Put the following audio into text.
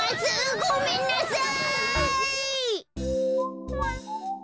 ごめんなさい！